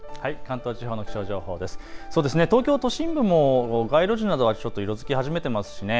東京都心部も街路樹などちょっと色づき始めていますね。